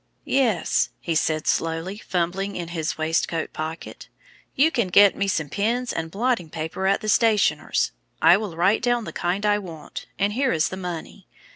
"Yes," he said, slowly fumbling in his waistcoat pocket; "you can get me some pens and blotting paper at the stationer's. I will write down the kind I want, and here is the money.